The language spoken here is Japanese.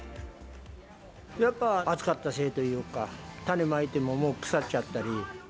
やっぱ暑かったせいというか、種まいてももう腐っちゃったり。